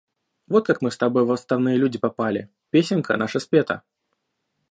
Вот как мы с тобой в отставные люди попали, песенка наша спета.